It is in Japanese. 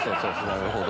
なるほど。